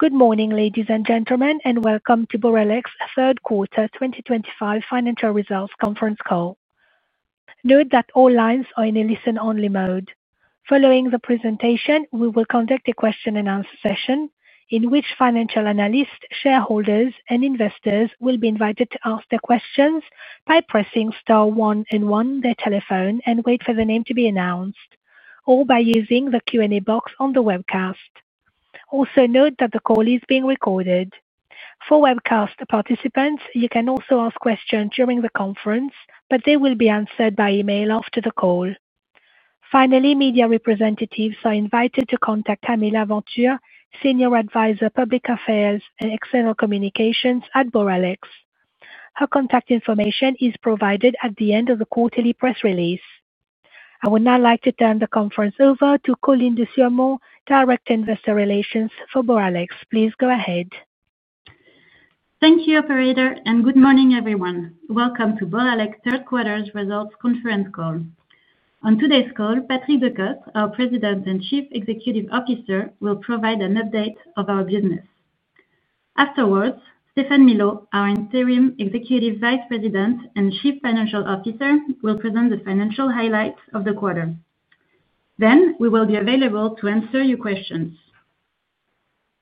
Good morning, ladies and gentlemen, and welcome to Boralex's third quarter 2025 financial results conference call. Note that all lines are in a listen-only mode. Following the presentation, we will conduct a question-and-answer session in which financial analysts, shareholders, and investors will be invited to ask their questions by pressing star one and one on their telephone and wait for their name to be announced, or by using the Q&A box on the webcast. Also note that the call is being recorded. For webcast participants, you can also ask questions during the conference, but they will be answered by email after the call. Finally, media representatives are invited to contact Amélie Aventure, Senior Advisor, Public Affairs and External Communications at Boralex. Her contact information is provided at the end of the quarterly press release. I would now like to turn the conference over to Coline Desurmont, Director Investor Relations for Boralex. Please go ahead. Thank you, Operator, and good morning, everyone. Welcome to Boralex's third quarter results conference call. On today's call, Patrick Decostre, our President and Chief Executive Officer, will provide an update of our business. Afterwards, Stéphane Milot, our Interim Executive Vice President and Chief Financial Officer, will present the financial highlights of the quarter. Then we will be available to answer your questions.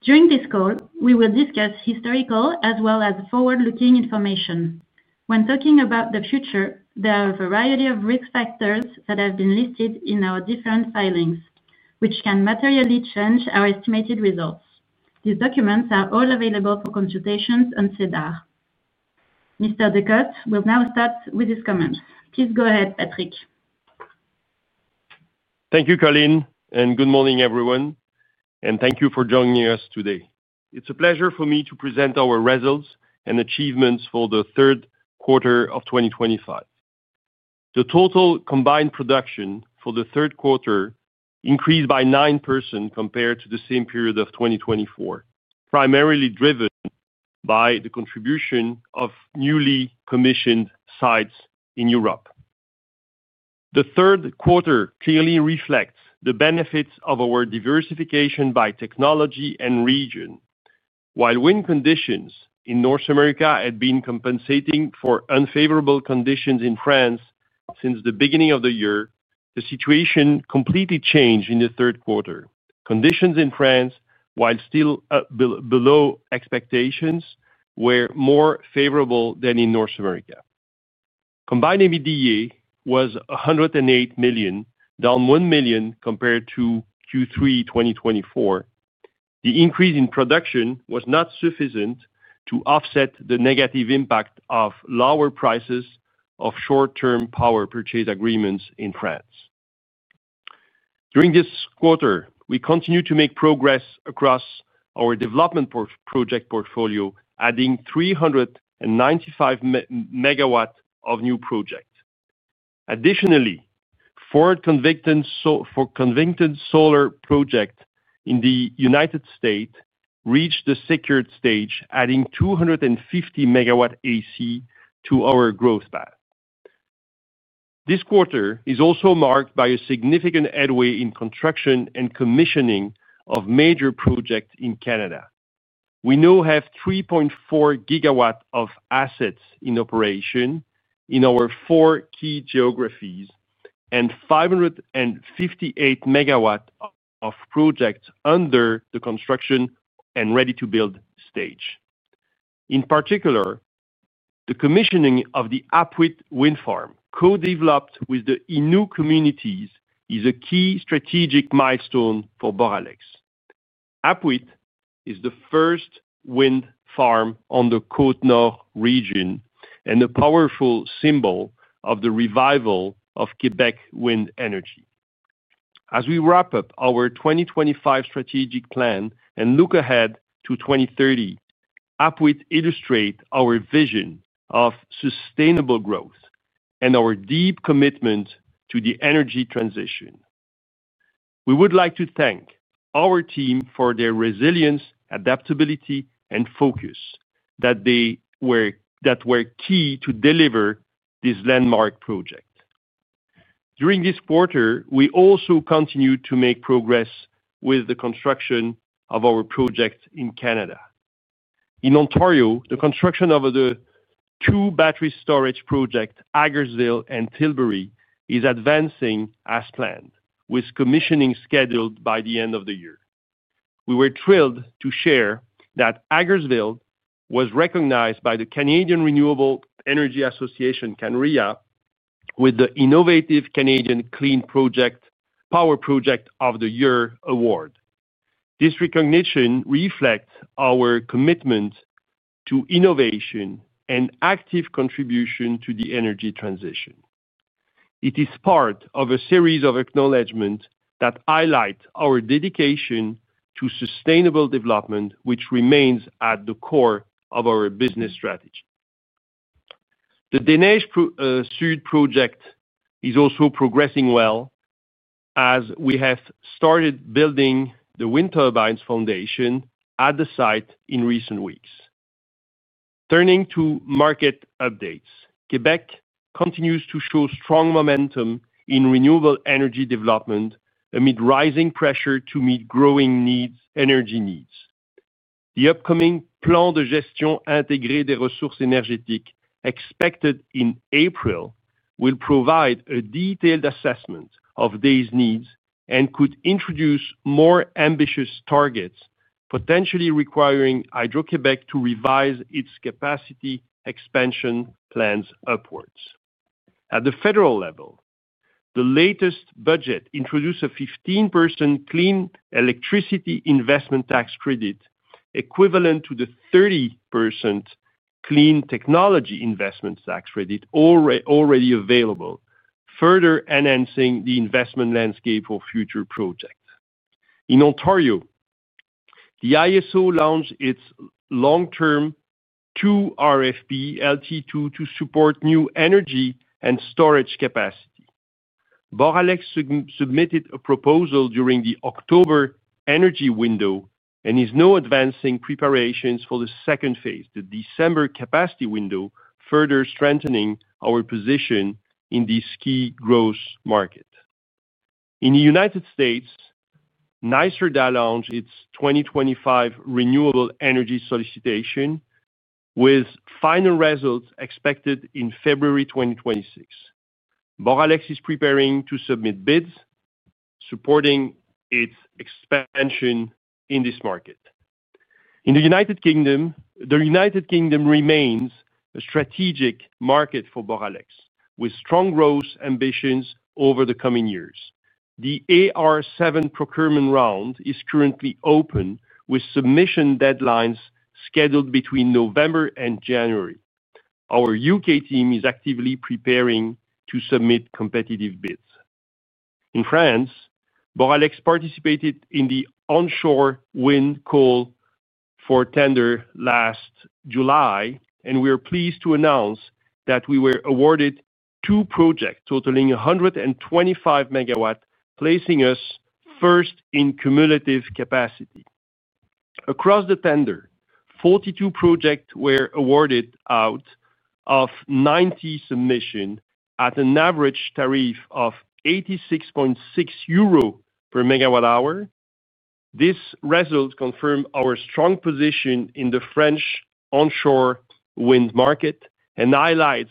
During this call, we will discuss historical as well as forward-looking information. When talking about the future, there are a variety of risk factors that have been listed in our different filings, which can materially change our estimated results. These documents are all available for consultation on SEDAR. Mr. Decostre will now start with his comments. Please go ahead, Patrick. Thank you, Coline, and good morning, everyone. Thank you for joining us today. It's a pleasure for me to present our results and achievements for the third quarter of 2025. The total combined production for the third quarter increased by 9% compared to the same period of 2024, primarily driven by the contribution of newly commissioned sites in Europe. The third quarter clearly reflects the benefits of our diversification by technology and region. While wind conditions in North America had been compensating for unfavorable conditions in France since the beginning of the year, the situation completely changed in the third quarter. Conditions in France, while still below expectations, were more favorable than in North America. Combined EBITDA was 108 million, down 1 million compared to Q3 2024. The increase in production was not sufficient to offset the negative impact of lower prices of short-term power purchase agreements in France. During this quarter, we continued to make progress across our development project portfolio, adding 395 MW of new projects. Additionally, four contracted solar projects in the United States reached the secured stage, adding 250 MW AC to our growth path. This quarter is also marked by significant headway in construction and commissioning of major projects in Canada. We now have 3.4 GW of assets in operation in our four key geographies and 558 MW of projects under the construction and ready-to-build stage. In particular, the commissioning of the Apuiat wind farm, co-developed with the Innu communities, is a key strategic milestone for Boralex. Apuiat is the first wind farm in the Côte-Nord region and a powerful symbol of the revival of Québec wind energy. As we wrap up our 2025 strategic plan and look ahead to 2030, Apuiat illustrates our vision of sustainable growth and our deep commitment to the energy transition. We would like to thank our team for their resilience, adaptability, and focus that were key to deliver this landmark project. During this quarter, we also continue to make progress with the construction of our projects in Canada. In Ontario, the construction of the two battery storage projects, Hagersville and Tilbury, is advancing as planned, with commissioning scheduled by the end of the year. We were thrilled to share that Hagersville was recognized by the Canadian Renewable Energy Association, CanREA, with the Innovative Canadian Clean Power Project of the Year award. This recognition reflects our commitment to innovation and active contribution to the energy transition. It is part of a series of acknowledgments that highlight our dedication to sustainable development, which remains at the core of our business strategy. The Dénage Sud Project is also progressing well as we have started building the wind turbines foundation at the site in recent weeks. Turning to market updates, Québec continues to show strong momentum in renewable energy development amid rising pressure to meet growing energy needs. The upcoming Plan de Gestion Intégrée des Ressources Énergétiques, expected in April, will provide a detailed assessment of these needs and could introduce more ambitious targets, potentially requiring Hydro-Québec to revise its capacity expansion plans upwards. At the federal level, the latest budget introduced a 15% Clean Electricity Investment Tax Credit, equivalent to the 30% Clean Technology Investment Tax Credit already available, further enhancing the investment landscape for future projects. In Ontario, the IESO launched its long-term 2 RFP LT2 to support new energy and storage capacity. Boralex submitted a proposal during the October energy window and is now advancing preparations for the second phase, the December capacity window, further strengthening our position in this key growth market. In the United States, NYSERDA launched its 2025 renewable energy solicitation, with final results expected in February 2026. Boralex is preparing to submit bids, supporting its expansion in this market. In the U.K., the United Kingdom remains a strategic market for Boralex, with strong growth ambitions over the coming years. The AR7 procurement round is currently open, with submission deadlines scheduled between November and January. Our U.K. team is actively preparing to submit competitive bids. In France, Boralex participated in the onshore wind call for tender last July, and we are pleased to announce that we were awarded two projects totaling 125 MW, placing us first in cumulative capacity. Across the tender, 42 projects were awarded out of 90 submissions at an average tariff of 86.6 euro per MWh. This result confirms our strong position in the French onshore wind market and highlights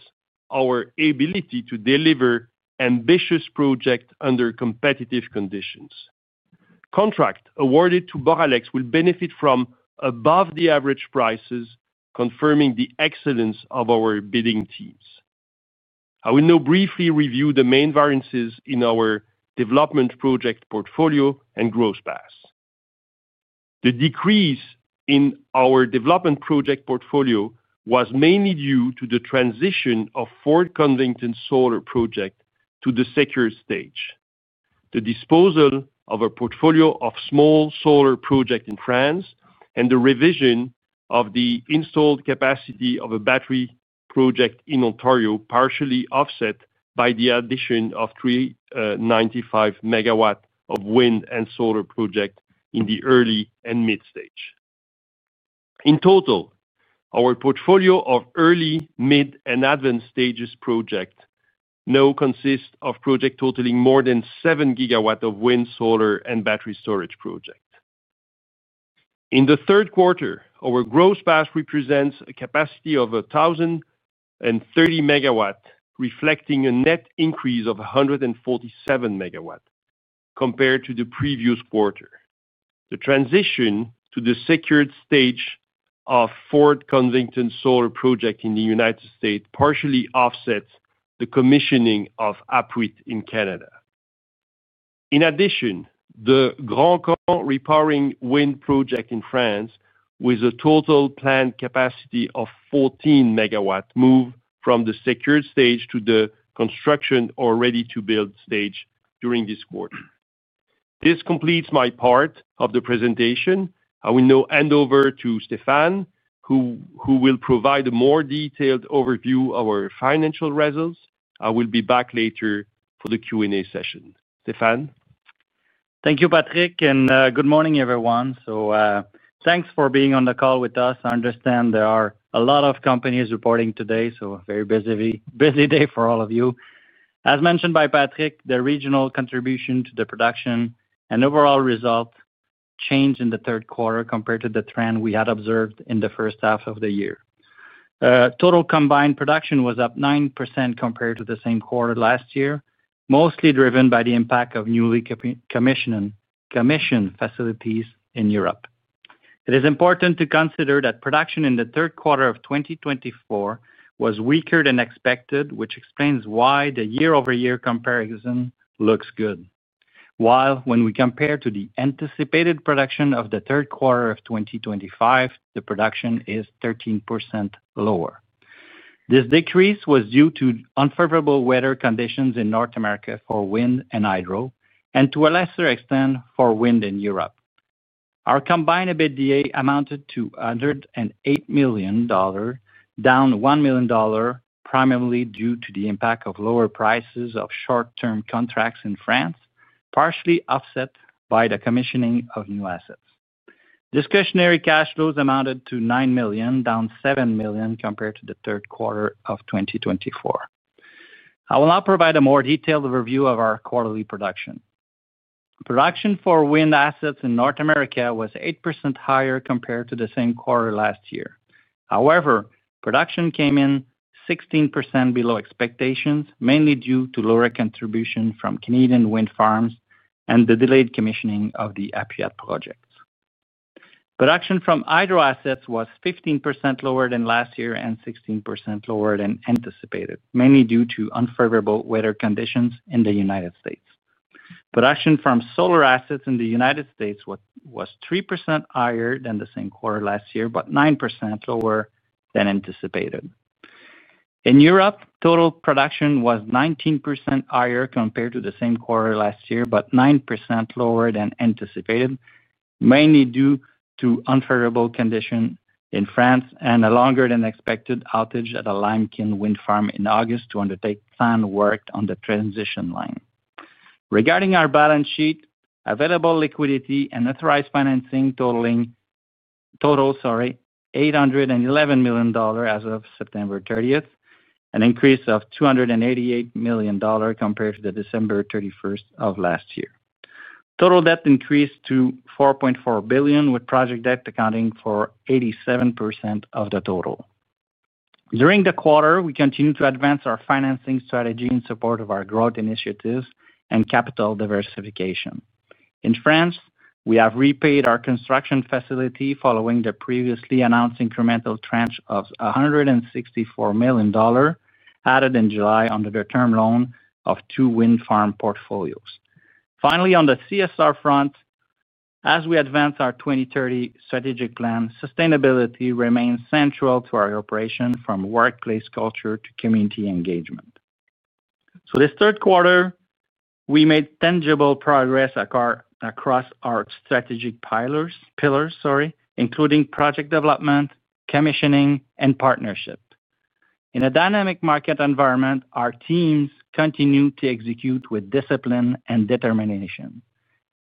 our ability to deliver ambitious projects under competitive conditions. Contracts awarded to Boralex will benefit from above-the-average prices, confirming the excellence of our bidding teams. I will now briefly review the main variances in our development project portfolio and growth paths. The decrease in our development project portfolio was mainly due to the transition of four contracted solar projects to the secured stage, the disposal of a portfolio of small solar projects in France, and the revision of the installed capacity of a battery project in Ontario, partially offset by the addition of 395 MW of wind and solar projects in the early and mid-stage. In total, our portfolio of early, mid, and advanced stages projects now consists of projects totaling more than 7 GW of wind, solar, and battery storage projects. In the third quarter, our growth path represents a capacity of 1,030 MW, reflecting a net increase of 147 MW compared to the previous quarter. The transition to the secured stage of four contracted solar projects in the United States partially offsets the commissioning of Apuiat in Canada. In addition, the Le Grand Camp repowering wind project in France, with a total planned capacity of 14 MW, moved from the secured stage to the construction or ready-to-build stage during this quarter. This completes my part of the presentation. I will now hand over to Stéphane, who will provide a more detailed overview of our financial results. I will be back later for the Q&A session. Stéphane. Thank you, Patrick, and good morning, everyone. Thank you for being on the call with us. I understand there are a lot of companies reporting today, so a very busy day for all of you. As mentioned by Patrick, the regional contribution to the production and overall result changed in the third quarter compared to the trend we had observed in the first half of the year. Total combined production was up 9% compared to the same quarter last year, mostly driven by the impact of newly commissioned facilities in Europe. It is important to consider that production in the third quarter of 2024 was weaker than expected, which explains why the year-over-year comparison looks good, while when we compare to the anticipated production of the third quarter of 2025, the production is 13% lower. This decrease was due to unfavorable weather conditions in North America for wind and hydro, and to a lesser extent for wind in Europe. Our combined EBITDA amounted to $108 million, down $1 million, primarily due to the impact of lower prices of short-term contracts in France, partially offset by the commissioning of new assets. Discretionary cash flows amounted to $9 million, down $7 million compared to the third quarter of 2024. I will now provide a more detailed overview of our quarterly production. Production for wind assets in North America was 8% higher compared to the same quarter last year. However, production came in 16% below expectations, mainly due to lower contribution from Canadian wind farms and the delayed commissioning of the Apuiat projects. Production from hydro assets was 15% lower than last year and 16% lower than anticipated, mainly due to unfavorable weather conditions in the United States. Production from solar assets in the United States was 3% higher than the same quarter last year, but 9% lower than anticipated. In Europe, total production was 19% higher compared to the same quarter last year, but 9% lower than anticipated, mainly due to unfavorable conditions in France and a longer-than-expected outage at a Limekiln wind farm in August to undertake planned work on the transition line. Regarding our balance sheet, available liquidity and authorized financing totaled $811 million as of September 30th, an increase of $288 million compared to December 31 of last year. Total debt increased to $4.4 billion, with project debt accounting for 87% of the total. During the quarter, we continued to advance our financing strategy in support of our growth initiatives and capital diversification. In France, we have repaid our construction facility following the previously announced incremental tranche of $164 million added in July under the term loan of two wind farm portfolios. Finally, on the CSR front, as we advance our 2030 strategic plan, sustainability remains central to our operation, from workplace culture to community engagement. This third quarter, we made tangible progress across our strategic pillars, including project development, commissioning, and partnership. In a dynamic market environment, our teams continue to execute with discipline and determination.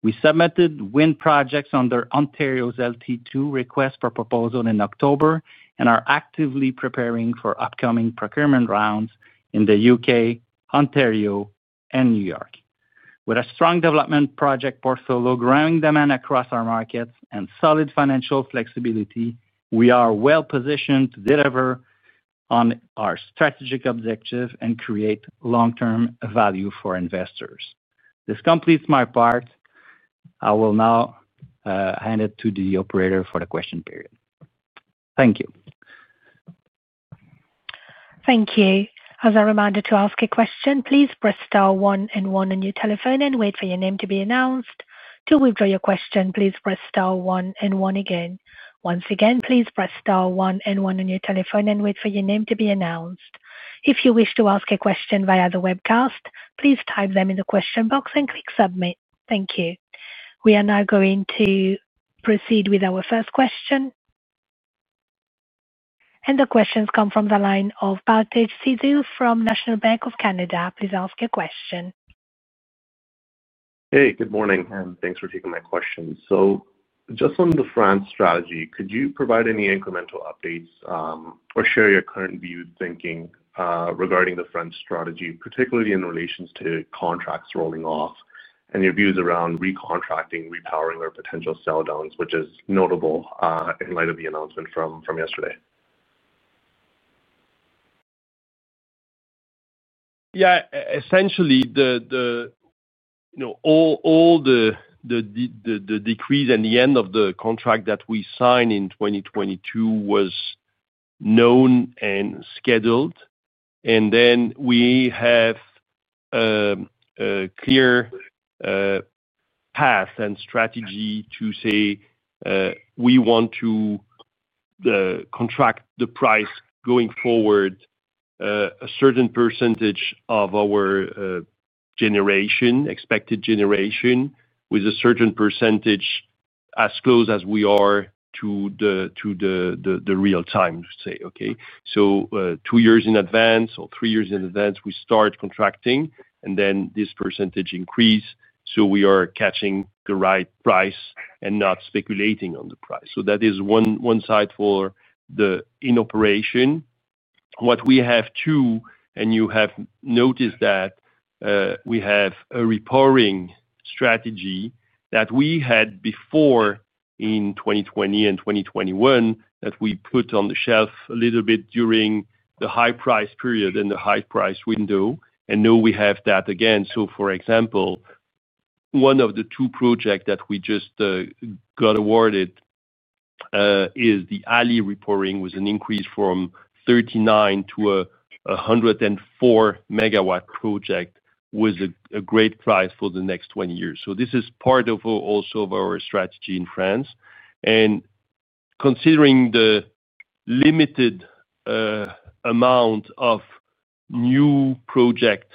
We submitted wind projects under Ontario's LT2 request for proposal in October and are actively preparing for upcoming procurement rounds in the U.K., Ontario, and New York. With a strong development project portfolio, growing demand across our markets, and solid financial flexibility, we are well-positioned to deliver on our strategic objective and create long-term value for investors. This completes my part. I will now hand it to the operator for the question period. Thank you. Thank you. As a reminder to ask a question, please press star one and one on your telephone and wait for your name to be announced. To withdraw your question, please press star one and one again. Once again, please press star one and one on your telephone and wait for your name to be announced. If you wish to ask a question via the webcast, please type them in the question box and click submit. Thank you. We are now going to proceed with our first question. The questions come from the line of Baltej Sidhu from National Bank of Canada. Please ask your question. Hey, good morning, and thanks for taking my question. Just on the France strategy, could you provide any incremental updates or share your current views thinking regarding the French strategy, particularly in relation to contracts rolling off and your views around recontracting, repowering, or potential sell-downs, which is notable in light of the announcement from yesterday? Yeah, essentially, all the decrease and the end of the contract that we signed in 2022 was known and scheduled. We have a clear path and strategy to say we want to contract the price going forward, a certain percentage of our generation, expected generation, with a certain percentage as close as we are to the real time, let's say, okay? Two years in advance or three years in advance, we start contracting, and then this percentage increases, so we are catching the right price and not speculating on the price. That is one side for the in operation. What we have too, and you have noticed that we have a repowering strategy that we had before in 2020 and 2021 that we put on the shelf a little bit during the high price period and the high price window, and now we have that again. For example, one of the two projects that we just got awarded is the Alli repowering, with an increase from 39 MW to 104 MW project with a great price for the next 20 years. This is part also of our strategy in France. Considering the limited amount of new project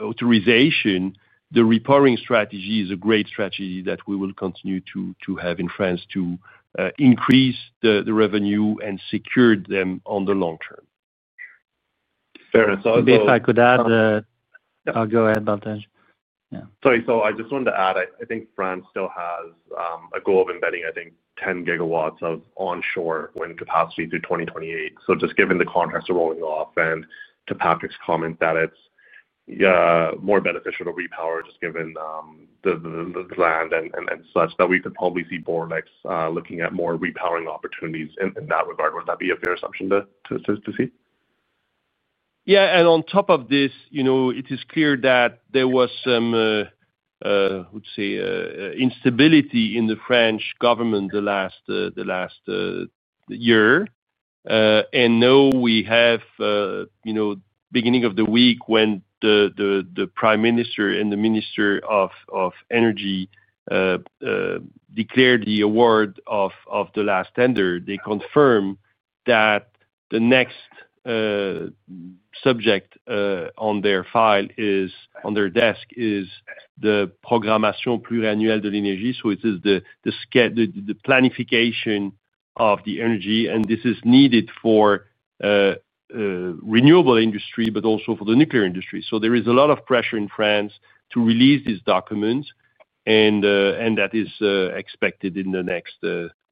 authorization, the repowering strategy is a great strategy that we will continue to have in France to increase the revenue and secure them on the long term. Maybe if I could add, go ahead, Baltej. Yeah. Sorry, I just wanted to add, I think France still has a goal of embedding, I think, 10 GW of onshore wind capacity through 2028. Just given the contracts are rolling off and to Patrick's comment that it's more beneficial to repower just given the land and such, we could probably see Boralex looking at more repowering opportunities in that regard. Would that be a fair assumption to see? Yeah, and on top of this, it is clear that there was some, I would say, instability in the French government the last year. Now we have the beginning of the week when the Prime Minister and the Minister of Energy declared the award of the last tender. They confirm that the next subject on their file, on their desk, is the Programmation Pluriannuelle de l'Énergie, so it is the planification of the energy, and this is needed for the renewable industry, but also for the nuclear industry. There is a lot of pressure in France to release these documents, and that is expected in the next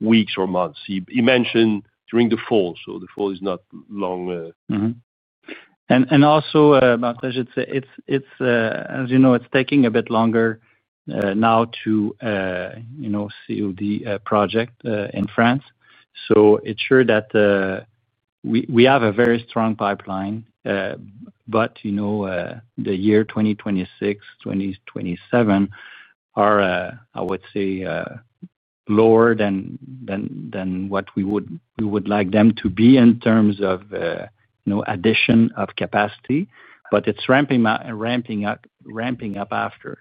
weeks or months. You mentioned during the fall, so the fall is not long. Baltej, as you know, it's taking a bit longer now to seal the project in France. It's sure that we have a very strong pipeline, but the years 2026, 2027, are, I would say, lower than what we would like them to be in terms of addition of capacity, but it's ramping up after.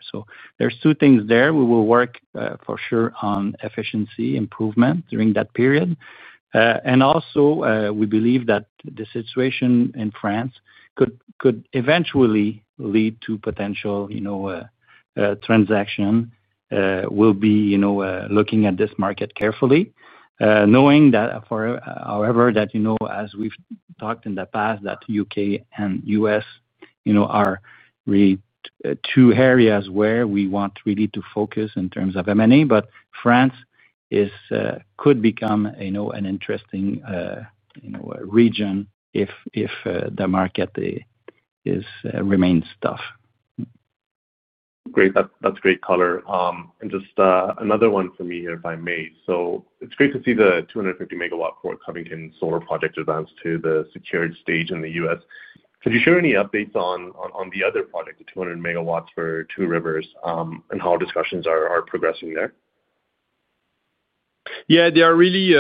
There are two things there. We will work for sure on efficiency improvement during that period. We believe that the situation in France could eventually lead to a potential transaction. We'll be looking at this market carefully, knowing that, however, as we've talked in the past, the U.K. and U.S. are really two areas where we want to focus in terms of M&A, but France could become an interesting region if the market remains tough. Great. That's great color. Just another one for me, if I may. It's great to see the 250 MW Fort Covington Solar Project advance to the secured stage in the U.S. Could you share any updates on the other project, the 200 MW for Two Rivers, and how discussions are progressing there? Yeah, they are really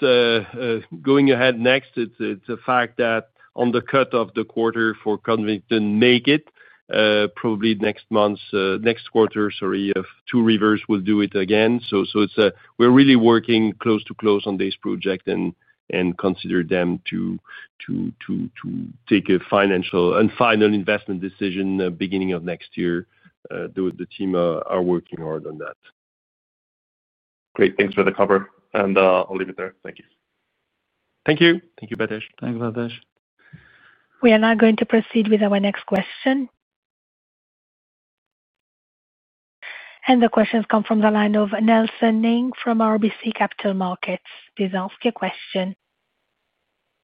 going ahead next. It's a fact that on the cut of the quarter for Fort Covington, make it probably next month, next quarter, sorry, of Two Rivers will do it again. So we're really working close to close on this project and consider them to take a financial and final investment decision beginning of next year. The team are working hard on that. Great. Thanks for the cover. I'll leave it there. Thank you. Thank you. Thank you, Baltej. Thanks, Baltej. We are now going to proceed with our next question. The questions come from the line of Nelson Ng from RBC Capital Markets. Please ask your question.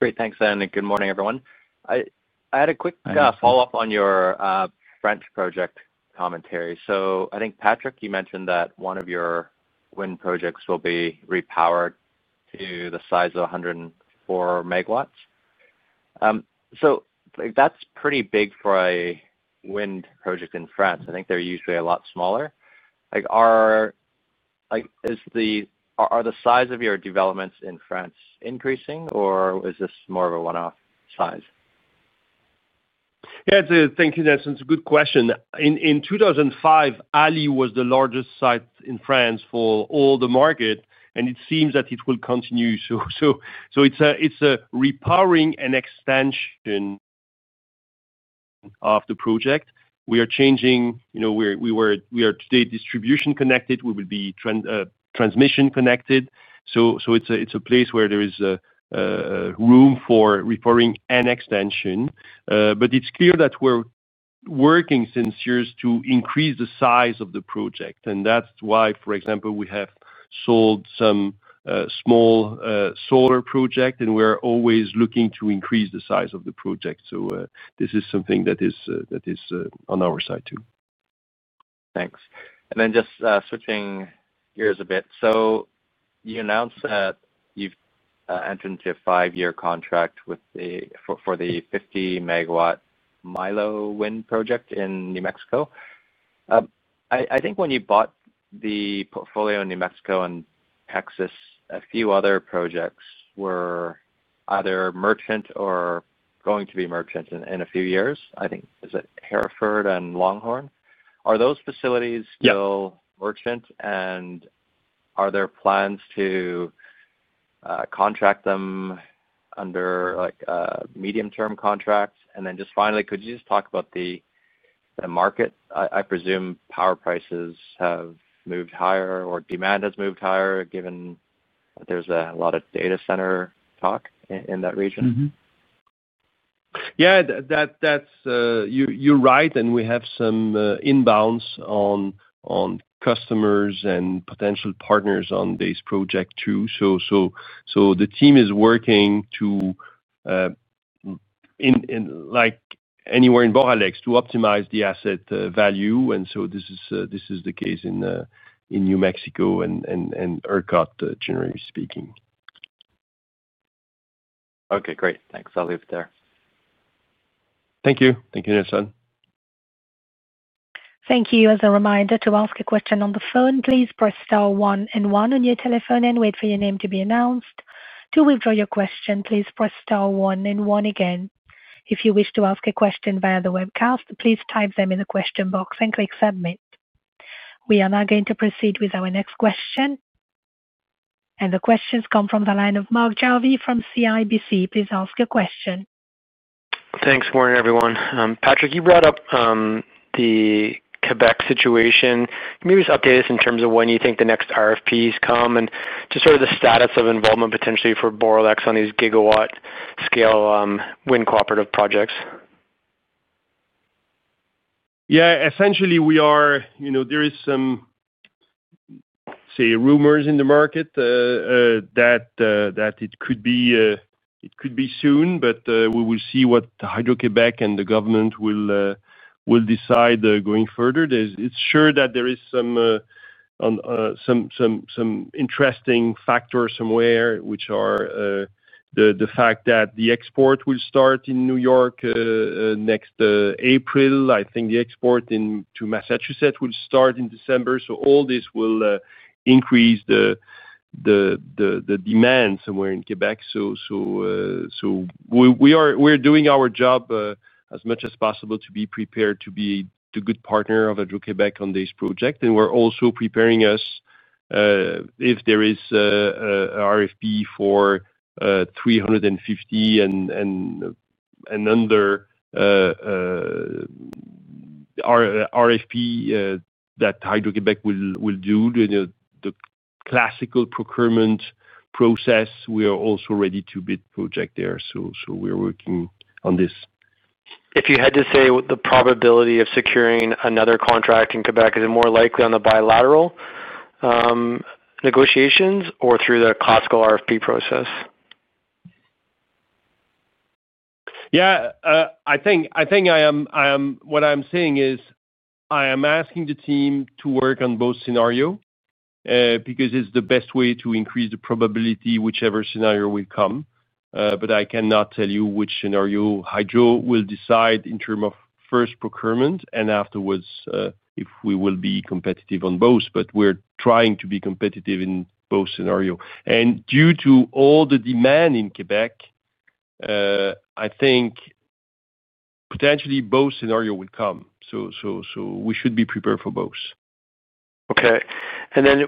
Great. Thanks, and good morning, everyone. I had a quick follow-up on your French Project commentary. I think, Patrick, you mentioned that one of your wind projects will be repowered to the size of 104 MW. That is pretty big for a wind project in France. I think they are usually a lot smaller. Are the size of your developments in France increasing, or is this more of a one-off size? Yeah, thank you, Nelson. It's a good question. In 2005, Alli was the largest site in France for all the market, and it seems that it will continue. It's a repowering and extension of the project. We are changing. We are today distribution connected. We will be transmission connected. It's a place where there is room for repowering and extension. It's clear that we're working since years to increase the size of the project. That's why, for example, we have sold some small solar projects, and we're always looking to increase the size of the project. This is something that is on our side too. Thanks. Just switching gears a bit. You announced that you've entered into a five-year contract for the 50 MW Milo Wind Project in New Mexico. I think when you bought the portfolio in New Mexico and Texas, a few other projects were either merchant or going to be merchant in a few years. I think, is it Hereford and Longhorn? Are those facilities still merchant, and are there plans to contract them under medium-term contracts? Finally, could you just talk about the market? I presume power prices have moved higher or demand has moved higher given that there's a lot of data center talk in that region? Yeah, you're right, and we have some inbounds on customers and potential partners on this project too. The team is working anywhere in Boralex to optimize the asset value. This is the case in New Mexico and ERCOT, generally speaking. Okay, great. Thanks. I'll leave it there. Thank you. Thank you, Nelson. Thank you. As a reminder to ask a question on the phone, please press star one and one on your telephone and wait for your name to be announced. To withdraw your question, please press star one and one again. If you wish to ask a question via the webcast, please type them in the question box and click submit. We are now going to proceed with our next question. The questions come from the line of Mark Jarvi from CIBC. Please ask a question. Thanks, morning, everyone. Patrick, you brought up the Québec situation. Can you just update us in terms of when you think the next RFPs come and just sort of the status of involvement potentially for Boralex on these gigawatt scale wind cooperative projects? Yeah, essentially, there are some, say, rumors in the market that it could be soon, but we will see what Hydro-Québec and the government will decide going further. It's sure that there is some interesting factors somewhere, which are the fact that the export will start in New York next April. I think the export to Massachusetts will start in December. All this will increase the demand somewhere in Québec. We are doing our job as much as possible to be prepared to be a good partner of Hydro-Québec on this project. We are also preparing us if there is an RFP for 350 and under RFP that Hydro-Québec will do the classical procurement process. We are also ready to bid project there. We are working on this. If you had to say the probability of securing another contract in Québec, is it more likely on the bilateral negotiations or through the classical RFP process? Yeah, I think what I'm saying is I am asking the team to work on both scenarios because it's the best way to increase the probability, whichever scenario will come. I cannot tell you which scenario Hydro will decide in terms of first procurement and afterwards if we will be competitive on both. We are trying to be competitive in both scenarios. Due to all the demand in Québec, I think potentially both scenarios will come. We should be prepared for both. Okay.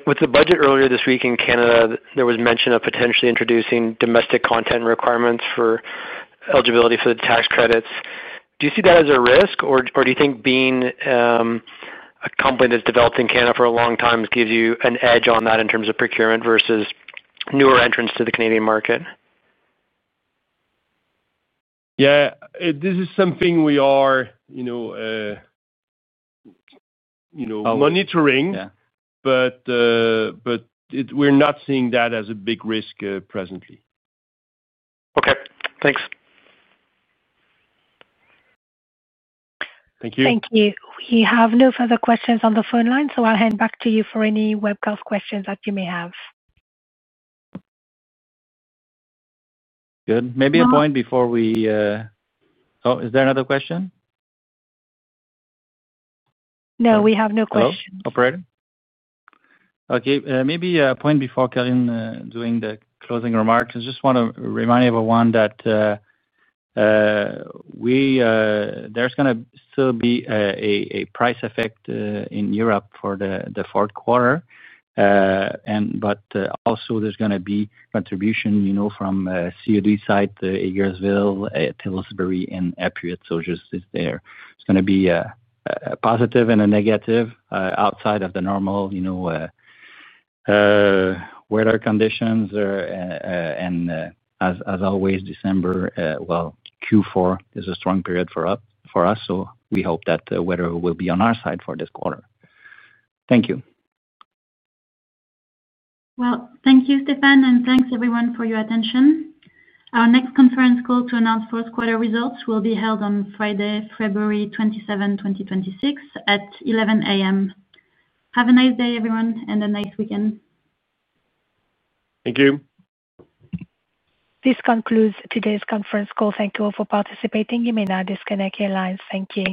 With the budget earlier this week in Canada, there was mention of potentially introducing domestic content requirements for eligibility for the tax credits. Do you see that as a risk, or do you think being a company that's developed in Canada for a long time gives you an edge on that in terms of procurement versus newer entrants to the Canadian market? Yeah, this is something we are monitoring, but we're not seeing that as a big risk presently. Okay. Thanks. Thank you. Thank you. We have no further questions on the phone line, so I'll hand back to you for any webcast questions that you may have. Good. Maybe a point before we—oh, is there another question? No, we have no questions. Operator? Okay. Maybe a point before Coline doing the closing remarks. I just want to remind everyone that there's going to still be a price effect in Europe for the fourth quarter. Also, there's going to be contribution from COD site Hagersville, Tilbury, and Apuiat. Just there, it's going to be a positive and a negative outside of the normal weather conditions. As always, December, Q4 is a strong period for us, so we hope that the weather will be on our side for this quarter. Thank you. Thank you, Stéphane, and thanks, everyone, for your attention. Our next conference call to announce fourth quarter results will be held on Friday, February 27, 2026, at 11:00 A.M. Have a nice day, everyone, and a nice weekend. Thank you. This concludes today's conference call. Thank you all for participating. You may now disconnect your lines. Thank you.